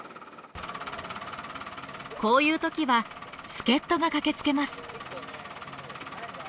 こういうときは助っ人が駆けつけます。